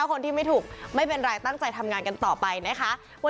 คนที่ไม่ถูกไม่เป็นไรตั้งใจทำงานกันต่อไปนะคะ